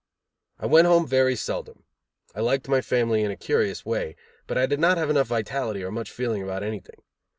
I went home very seldom. I liked my family in a curious way, but I did not have enough vitality or much feeling about anything.